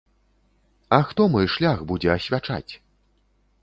А хто мой шлях будзе асвячаць?